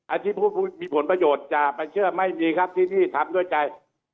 ที่ผู้มีผลประโยชน์อย่าไปเชื่อไม่มีครับที่นี่ทำด้วยใจ